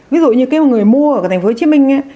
ví dụ như cái người mua ở thành phố hồ chí minh